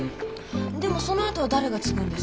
でもそのあとは誰が継ぐんですか？